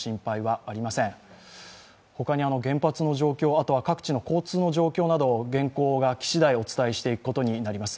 他に原発の状況、各地の交通の状況など原稿が来しだいお伝えしていくことになります。